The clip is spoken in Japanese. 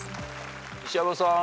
西山さん